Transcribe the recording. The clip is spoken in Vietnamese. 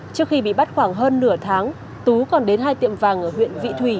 trước khi bị bắt khoảng hơn nửa tháng tú còn đến hai tiệm vàng ở huyện vị thủy